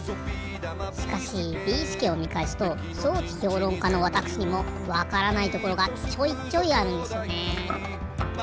しかしビーすけをみかえすと装置評論家のわたくしにもわからないところがちょいちょいあるんですよね。